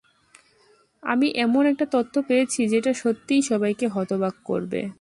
আমি এমন একটা তথ্য পেয়েছি, যেটা সত্যিই সবাইকে হতবাক করবে।